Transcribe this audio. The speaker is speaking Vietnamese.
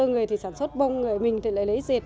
người thì sản xuất bông người mình thì lại lấy thịt